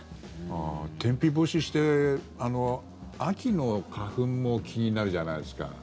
天日干しして、秋の花粉も気になるじゃないですか。